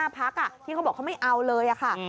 พักที่เขาบอกเขาไม่เอาเลยค่ะ